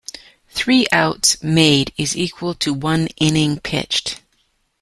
Three outs made is equal to one inning pitched.